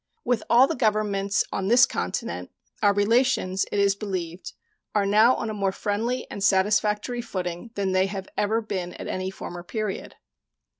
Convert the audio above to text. With all the Governments on this continent our relations, it is believed, are now on a more friendly and satisfactory footing than they have ever been at any former period.